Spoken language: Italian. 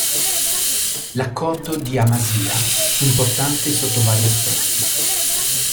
L'Accordo di Amasya fu importante sotto vari aspetti.